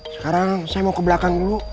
sekarang saya mau ke belakang dulu